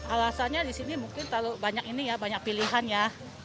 alasannya disini mungkin banyak ini ya banyak pilihan ya